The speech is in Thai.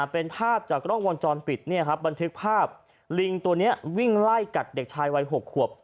เป็นภาพจากกล้องวงจรปิดบันทึกภาพลิงตัวนี้วิ่งไล่กัดเด็กชายวัย๖ขวบ